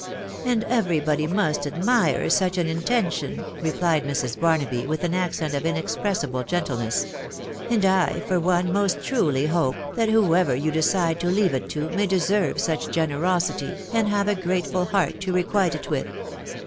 ." And every body must admire such an intention," replied Mrs. Barnaby, in an accent of inexpressible gentleness ;" and I, for one, most truly hope, that whoever you decide to leave it to, may deserve such generosity, and have a grateful heart to requite it with."